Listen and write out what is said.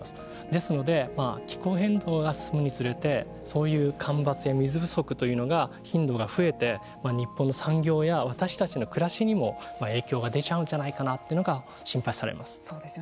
ですので気候変動が進むにつれてそういう干ばつや水不足というのが頻度が増えて日本の産業や私たちの暮らしにも影響が出ちゃうんじゃないかなというのが心配されます。